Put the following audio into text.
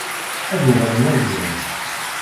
Ad uɣalen ad ẓren.